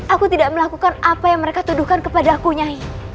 aku tidak melakukan apa yang mereka tuduhkan kepadaku nyai